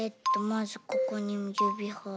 まずここにゆびはいる。